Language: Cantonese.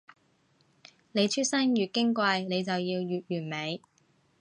你出身越矜貴，你就要越完美